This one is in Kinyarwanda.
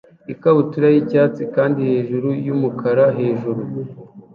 ikabutura yicyatsi kandi hejuru yumukara hejuru